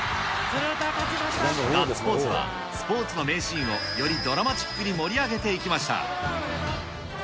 ガッツポーズはスポーツの名シーンをよりドラマチックに盛り上げていきました。